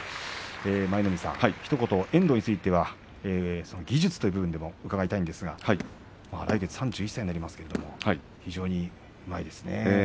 舞の海さん、ひと言遠藤については技術についても伺いたいのですが来月３１歳になりますが非常にうまいですね。